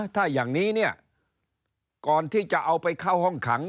ถ้าอย่างนี้เนี่ยก่อนที่จะเอาไปเข้าห้องขัง